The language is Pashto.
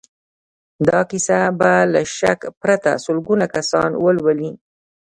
دا کيسې به له شک پرته سلګونه کسان ولولي.